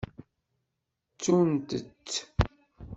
Ttun-tt.